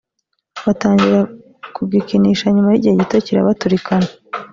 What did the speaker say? batangira kugikinisha nyuma y`igihe gito kirabaturikana